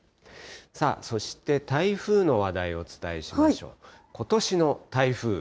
そして台風の話題をお伝えしましょう。